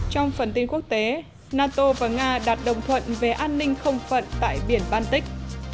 trong phần tin quốc tế nato và nga đạt đồng thuận về an ninh không phận tại biển baltic